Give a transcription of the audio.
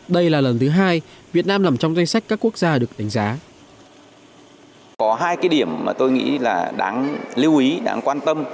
đây là lần thứ hai việt nam nằm trong danh sách các quốc gia được đánh giá